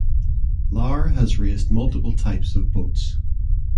Larr has raced multiple types of boats.